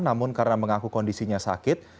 namun karena mengaku kondisinya sakit